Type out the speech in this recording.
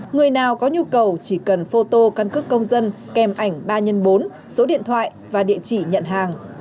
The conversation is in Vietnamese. người nào có nhu cầu chỉ cần phô tô căn cứ công dân kèm ảnh ba x bốn điện thoại và địa chỉ nhận hàng